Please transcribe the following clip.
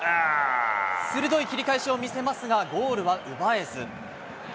鋭い切り返しを見せますが、ゴールは奪えず。